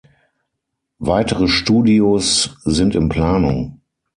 Weitere Studios sind in Planung.